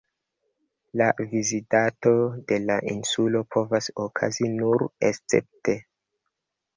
La vizitado de la insulo povas okazi nur escepte.